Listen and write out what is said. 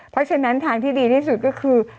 เพราะฉะนั้นทางที่ดีที่สุดก็คือ